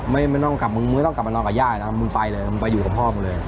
ไม่ต้องกลับมึงมึงไม่ต้องกลับมานอนกับย่านะครับมึงไปเลยมึงไปอยู่กับพ่อมึงเลย